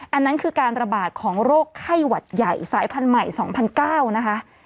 อันนั้นคือการระบาดของโรคไข้หวัดใหญ่สายพันธุ์ใหม่๒๐๐๙นะคะ